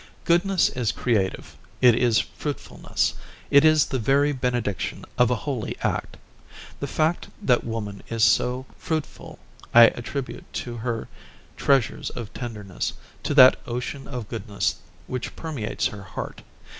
Goodness is creative; it is fruitfulness; it is the very benediction of a holy act. The fact that woman is so fruitful I attribute to her treasures of tenderness, to that ocean of goodness which permeates her heart....